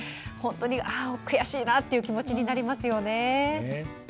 本当に悔しいなという気持ちになりますよね。